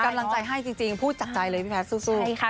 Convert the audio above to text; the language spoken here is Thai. กำลังใจให้จริงพูดจากใจเลยพี่แพทย์สู้